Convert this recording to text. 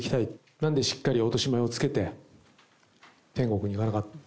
なんでしっかり落とし前をつけて、天国に行かなかったのか。